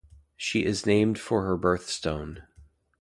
She is named for her birth stone.